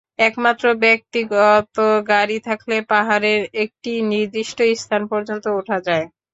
একমাত্র ব্যক্তিগত গাড়ি থাকলে পাহাড়ের একটি নির্দিষ্ট স্থান পর্যন্ত ওঠা যায়।